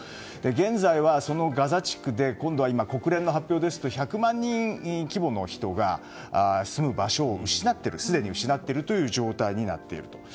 現在はそのガザ地区で今、国連の発表ですと１００万人規模の人が住む場所をすでに失っているという状態になっていると。